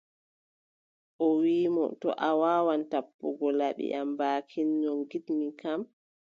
O wiʼi mo : to a waawan tappugo laɓi am baakin no ngiɗmin kam,